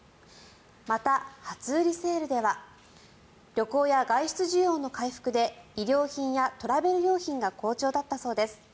また、初売りセールでは旅行や外出需要の回復で衣料品やトラベル用品が好調だったそうです。